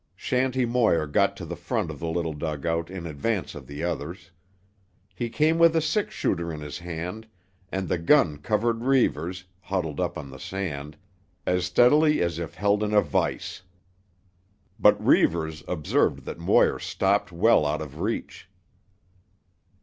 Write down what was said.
Shanty Moir got to the front of the little dugout in advance of the others. He came with a six shooter in his hand, and the gun covered Reivers, huddled up on the sand, as steadily as if held in a vise. But Reivers observed that Moir stopped well out of reach.